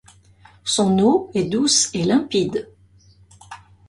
Son eau est douce et limpide.